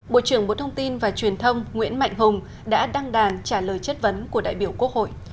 bộ trưởng bộ thông tin và truyền thông nguyễn mạnh hùng đã đăng đàn trả lời chất vấn của đại biểu quốc hội